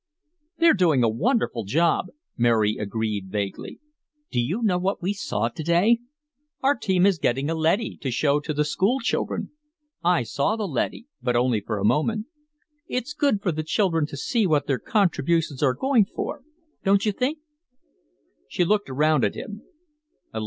"They're doing a wonderful job," Mary agreed vaguely. "Do you know what we saw today? Our team is getting a leady to show to the school children. I saw the leady, but only for a moment. It's good for the children to see what their contributions are going for, don't you think?" She looked around at him.